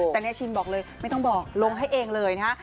แต่เนี่ยชินบอกเลยไม่ต้องบอกลงให้เองเลยนะฮะ